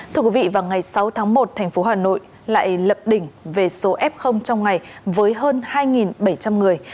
thưa quý vị vào ngày sáu tháng một thành phố hà nội lại lập đỉnh về số f trong ngày với hơn hai bảy trăm linh người